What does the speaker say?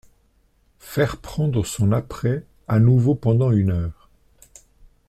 Faire prendre son apprêt à nouveau pendant une heure.